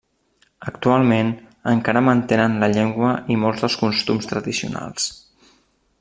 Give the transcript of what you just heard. Actualment encara mantenen la llengua i molts dels costums tradicionals.